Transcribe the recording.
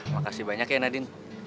makasih banyak ya nadin